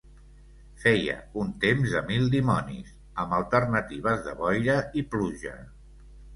Feia un temps de mil dimonis, amb alternatives de boira i pluja.